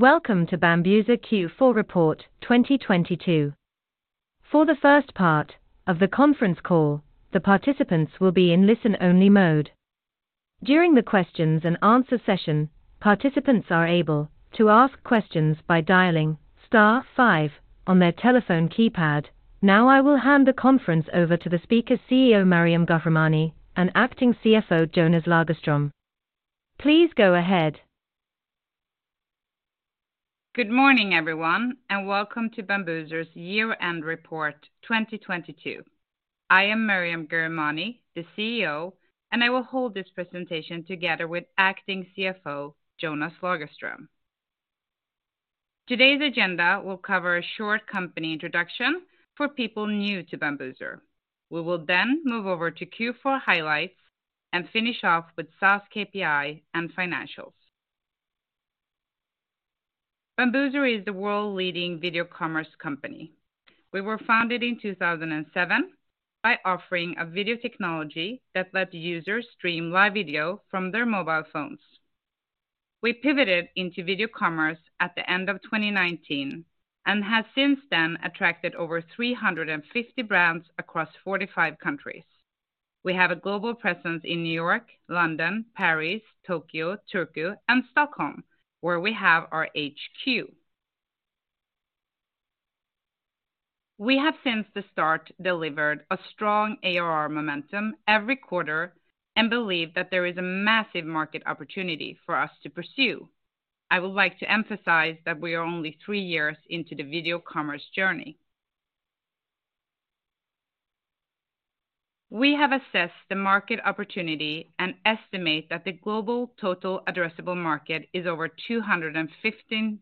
Welcome to Bambuser Q4 report 2022. For the first part of the conference call, the participants will be in listen-only mode. During the questions and answer session, participants are able to ask questions by dialing star 5 on their telephone keypad. Now I will hand the conference over to the speaker, CEO Maryam Ghahremani, and acting CFO, Jonas Lagerström. Please go ahead. Good morning, everyone, welcome to Bambuser's year-end report 2022. I am CEO Maryam Ghahremani, and I will hold this presentation together with Acting CFO Jonas Lagerström. Today's agenda will cover a short company introduction for people new to Bambuser. We will move over to Q4 highlights and finish off with SaaS KPI and financials. Bambuser is the world-leading video commerce company. We were founded in 2007 by offering a video technology that let users stream live video from their mobile phones. We pivoted into video commerce at the end of 2019 and have since then attracted over 350 brands across 45 countries. We have a global presence in New York, London, Paris, Tokyo, Turku, and Stockholm, where we have our HQ. We have since the start delivered a strong ARR momentum every quarter and believe that there is a massive market opportunity for us to pursue. I would like to emphasize that we are only 3 years into the video commerce journey. We have assessed the market opportunity and estimate that the global total addressable market is over 250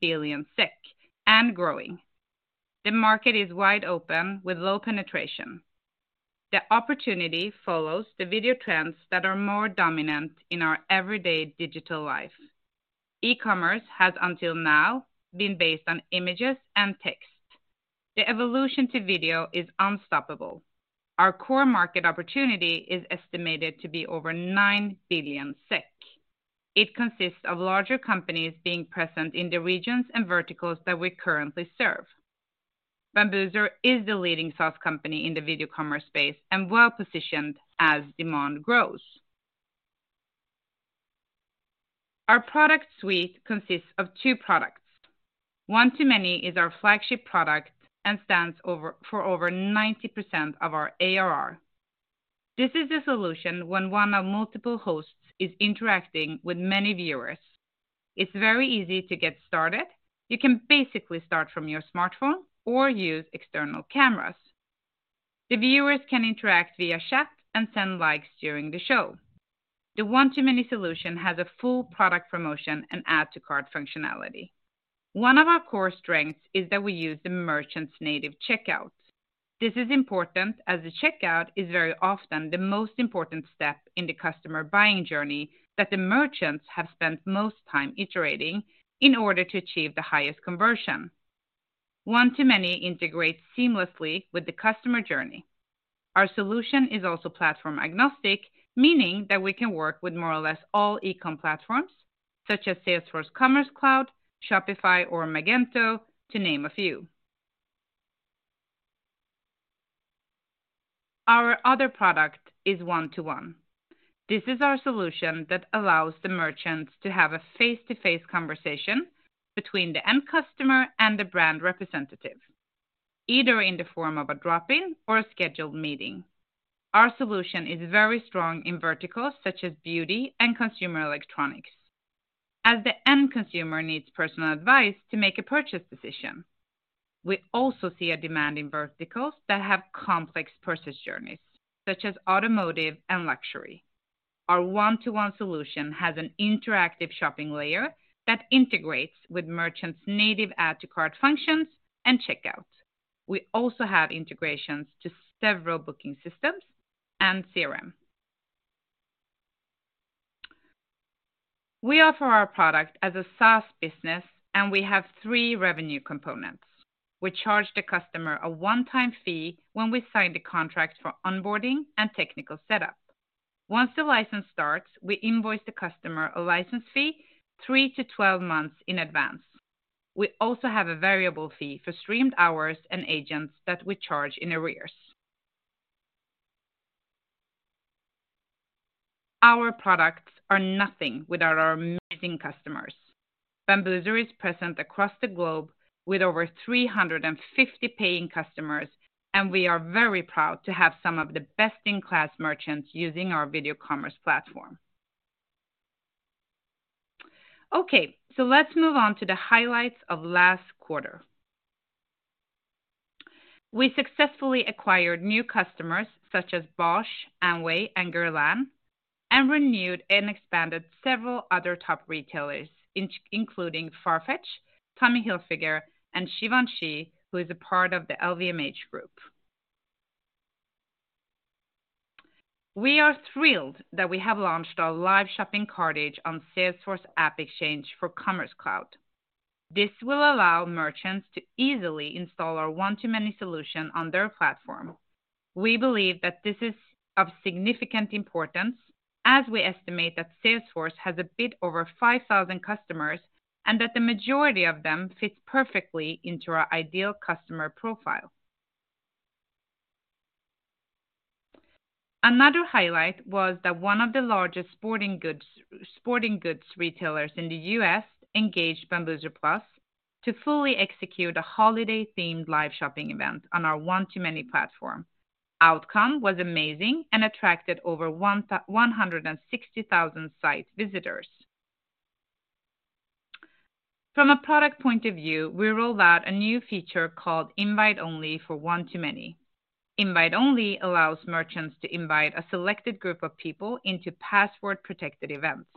billion SEK and growing. The market is wide open with low penetration. The opportunity follows the video trends that are more dominant in our everyday digital life. E-commerce has until now been based on images and text. The evolution to video is unstoppable. Our core market opportunity is estimated to be over 9 billion SEK. It consists of larger companies being present in the regions and verticals that we currently serve. Bambuser is the leading SaaS company in the video commerce space and well-positioned as demand grows. Our product suite consists of two products. One-to-Many is our flagship product and stands for over 90% of our ARR. This is the solution when one of multiple hosts is interacting with many viewers. It's very easy to get started. You can basically start from your smartphone or use external cameras. The viewers can interact via chat and send likes during the show. The One-to-Many solution has a full product promotion and add to cart functionality. One of our core strengths is that we use the merchant's native checkout. This is important as the checkout is very often the most important step in the customer buying journey that the merchants have spent most time iterating in order to achieve the highest conversion. One-to-Many integrates seamlessly with the customer journey. Our solution is also platform agnostic, meaning that we can work with more or less all e-com platforms such as Salesforce Commerce Cloud, Shopify or Magento, to name a few. Our other product is One-to-One. This is our solution that allows the merchants to have a face-to-face conversation between the end customer and the brand representative, either in the form of a drop-in or a scheduled meeting. Our solution is very strong in verticals such as beauty and consumer electronics, as the end consumer needs personal advice to make a purchase decision. We also see a demand in verticals that have complex purchase journeys, such as automotive and luxury. Our One-to-One solution has an interactive shopping layer that integrates with merchants' native add to cart functions and checkout. We also have integrations to several booking systems and CRM. We offer our product as a SaaS business, and we have three revenue components. We charge the customer a one-time fee when we sign the contract for onboarding and technical setup. Once the license starts, we invoice the customer a license fee three to 12 months in advance. We also have a variable fee for streamed hours and agents that we charge in arrears. Our products are nothing without our amazing customers. Bambuser is present across the globe with over 350 paying customers, and we are very proud to have some of the best-in-class merchants using our video commerce platform. Okay, let's move on to the highlights of last quarter. We successfully acquired new customers such as Bosch, Amway and Guerlain, and renewed and expanded several other top retailers including Farfetch, Tommy Hilfiger and Givenchy, who is a part of the LVMH group. We are thrilled that we have launched our live shopping cartridge on Salesforce AppExchange for Commerce Cloud. This will allow merchants to easily install our One-to-Many solution on their platform. We believe that this is of significant importance as we estimate that Salesforce has a bit over 5,000 customers, and that the majority of them fit perfectly into our ideal customer profile. Another highlight was that one of the largest sporting goods retailers in the U.S. engaged Bambuser Plus to fully execute a holiday-themed live shopping event on our One-to-Many platform. Outcome was amazing and attracted over 160,000 site visitors. From a product point of view, we rolled out a new feature called Invite Only for One-to-Many. Invite Only allows merchants to invite a selected group of people into password-protected events.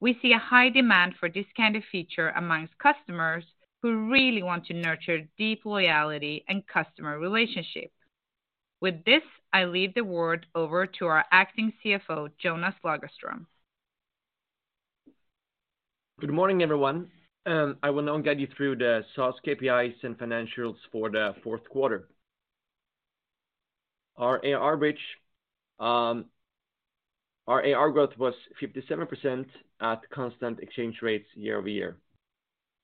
We see a high demand for this kind of feature amongst customers who really want to nurture deep loyalty and customer relationship. With this, I leave the word over to our Acting CFO, Jonas Lagerström. Good morning, everyone. I will now guide you through the SaaS KPIs and financials for the fourth quarter. Our AR bridge, our ARR growth was 57% at constant exchange rates year-over-year.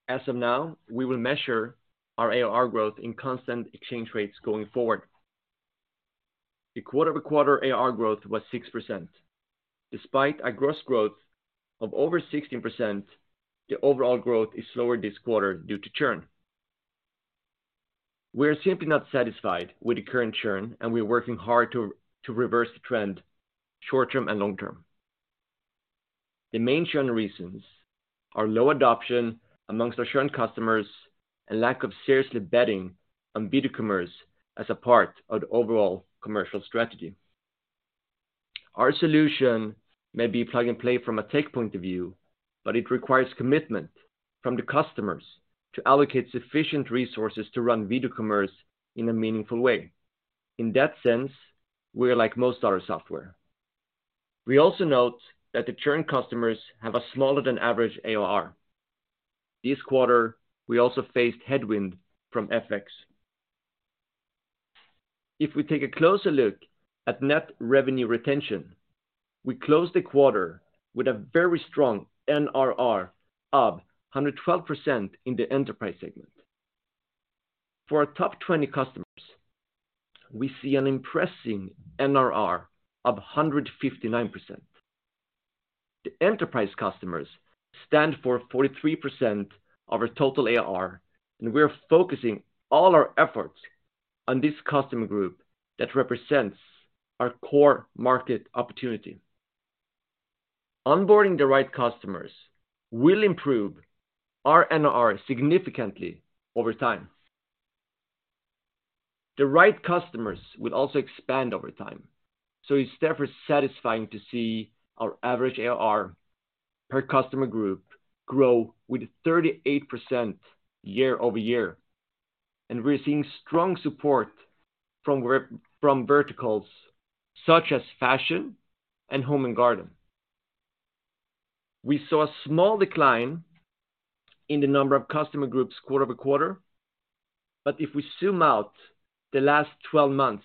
As of now, we will measure our AR growth in constant exchange rates going forward. The quarter-over-quarter AR growth was 6%. Despite a gross growth of over 16%, the overall growth is slower this quarter due to churn. We are simply not satisfied with the current churn, we are working hard to reverse the trend short-term and long-term. The main churn reasons are low adoption amongst our churn customers and lack of seriously betting on video commerce as a part of the overall commercial strategy. Our solution may be plug-and-play from a tech point of view, but it requires commitment from the customers to allocate sufficient resources to run video commerce in a meaningful way. In that sense, we are like most other software. We also note that the churn customers have a smaller than average ARR. This quarter, we also faced headwind from FX. If we take a closer look at net revenue retention, we closed the quarter with a very strong NRR of 112% in the enterprise segment. For our top 20 customers, we see an impressive NRR of 159%. The enterprise customers stand for 43% of our total ARR, and we are focusing all our efforts on this customer group that represents our core market opportunity. Onboarding the right customers will improve our NRR significantly over time. The right customers will also expand over time, so it's therefore satisfying to see our average ARR per customer group grow with 38% year-over-year. We're seeing strong support from verticals such as fashion and home and garden. We saw a small decline in the number of customer groups quarter-over-quarter, but if we zoom out the last 12 months,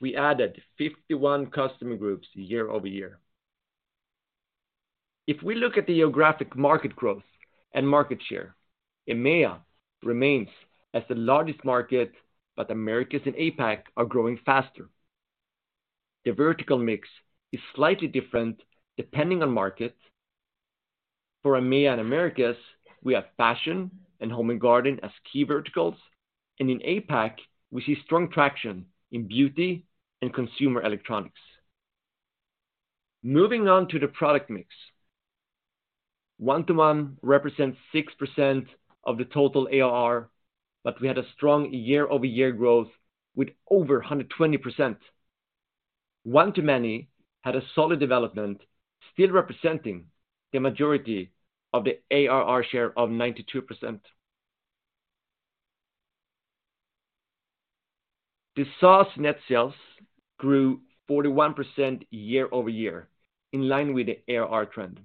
we added 51 customer groups year-over-year. If we look at the geographic market growth and market share, EMEA remains as the largest market, but Americas and APAC are growing faster. The vertical mix is slightly different depending on market. For EMEA and Americas, we have fashion and home and garden as key verticals, and in APAC, we see strong traction in beauty and consumer electronics. Moving on to the product mix. One-to-One represents 6% of the total ARR, but we had a strong year-over-year growth with over 120%. One-to-Many had a solid development, still representing the majority of the ARR share of 92%. The SaaS net sales grew 41% year-over-year in line with the ARR trend.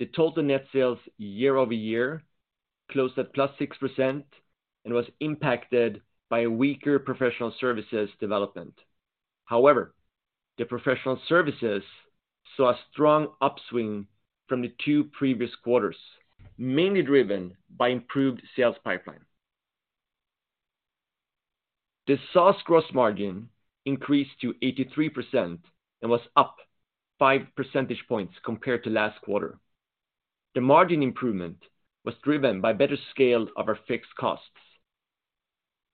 The total net sales year-over-year closed at +6% and was impacted by a weaker professional services development. However, the professional services saw a strong upswing from the two previous quarters, mainly driven by improved sales pipeline. The SaaS gross margin increased to 83% and was up 5 percentage points compared to last quarter. The margin improvement was driven by better scale of our fixed costs.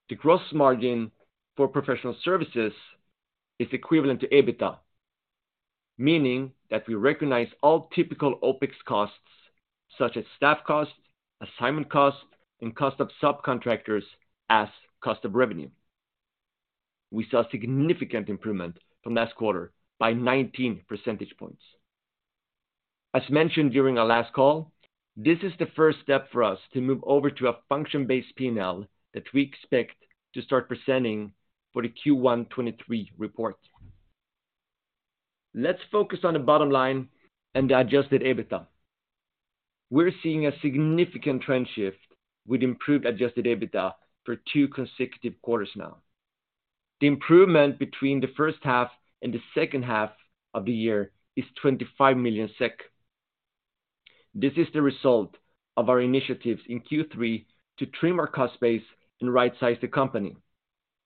The gross margin for professional services is equivalent to EBITDA, meaning that we recognize all typical OPEX costs, such as staff costs, assignment costs, and cost of subcontractors as cost of revenue. We saw significant improvement from last quarter by 19 percentage points. As mentioned during our last call, this is the first step for us to move over to a function-based P&L that we expect to start presenting for the Q1 2023 report. Let's focus on the bottom line and the adjusted EBITDA. We're seeing a significant trend shift with improved adjusted EBITDA for two consecutive quarters now. The improvement between the first half and the second half of the year is 25 million SEK. This is the result of our initiatives in Q3 to trim our cost base and right-size the company.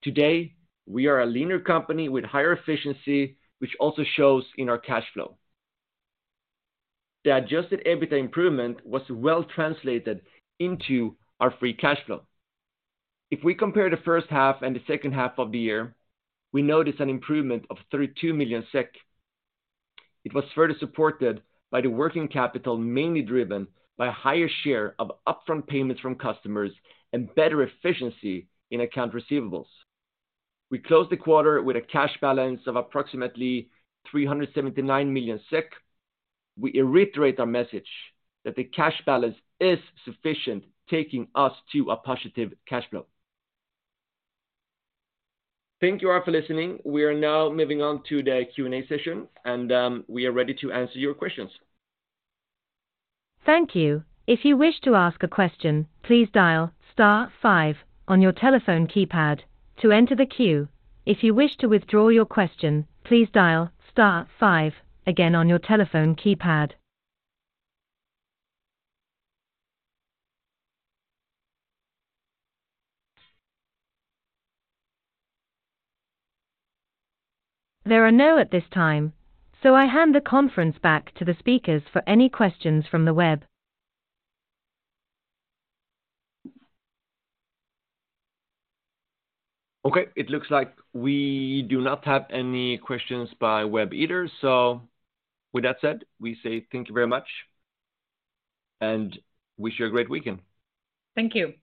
Today, we are a leaner company with higher efficiency, which also shows in our cash flow. The adjusted EBITDA improvement was well translated into our free cash flow. If we compare the first half and the second half of the year, we notice an improvement of 32 million SEK. It was further supported by the working capital, mainly driven by a higher share of upfront payments from customers and better efficiency in account receivables. We closed the quarter with a cash balance of approximately 379 million SEK. We reiterate our message that the cash balance is sufficient, taking us to a positive cash flow. Thank you all for listening. We are now moving on to the Q&A session, and we are ready to answer your questions. Thank you. If you wish to ask a question, please dial star 5 on your telephone keypad to enter the queue. If you wish to withdraw your question, please dial star 5 again on your telephone keypad. There are no at this time, I hand the conference back to the speakers for any questions from the web. Okay. It looks like we do not have any questions by web either. With that said, we say thank you very much and wish you a great weekend. Thank you.